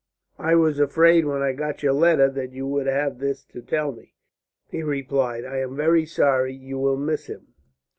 "I was afraid when I got your letter that you would have this to tell me," he replied. "I am very sorry. You will miss him."